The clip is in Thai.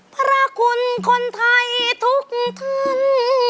พระคุณคนไทยทุกท่าน